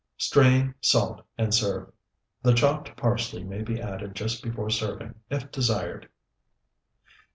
Strain, salt, and serve. The chopped parsley may be added just before serving, if desired.